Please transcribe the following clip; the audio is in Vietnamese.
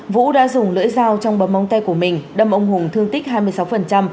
vũ đã dùng lưỡi dao trong bấm mông tay của mình đâm ông hùng thương tích hai mươi sáu